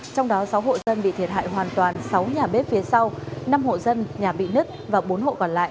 trong đó sáu hộ dân bị thiệt hại hoàn toàn sáu nhà bếp phía sau năm hộ dân nhà bị nứt và bốn hộ còn lại